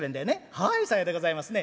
「はいさようでございますね」。